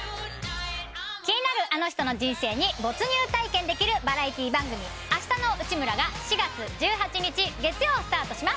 気になるあの人の人生に没入体験できるバラエティー番組『あしたの内村！！』が４月１８日月曜スタートします。